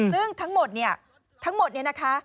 ซึ่งทั้งหมดเนี่ยทั้งหมดเนี่ยนะคะ